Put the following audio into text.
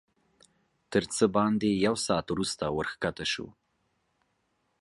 تر څه باندې یو ساعت وروسته ورښکته شوو.